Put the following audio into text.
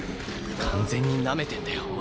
完全になめてんだよ